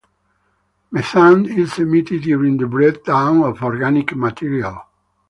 Methane is emitted during the breakdown of organic material.